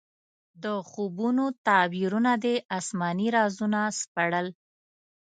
د خوبونو تعبیرونه دې اسماني رازونه سپړل.